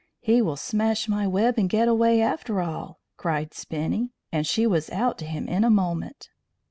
"He will smash my web and get away, after all," cried Spinny, and she was out to him in a moment.